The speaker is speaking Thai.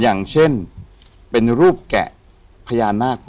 อย่างเช่นเป็นรูปแกะพญานาค